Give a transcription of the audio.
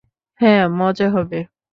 হ্যাঁ, মজা হবে।